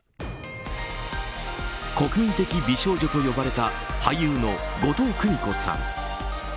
国民的美少女と呼ばれた俳優の後藤久美子さん。